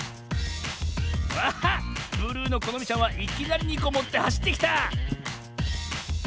あっブルーのこのみちゃんはいきなり２こもってはしってきた！